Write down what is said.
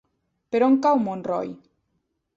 Per on cau Montroi?